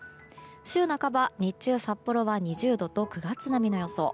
週半ば、日中札幌は２０度と９月並みの予想。